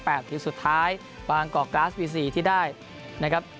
ทีมสุดท้ายบางกอกกราสวีซีที่ได้นะครับ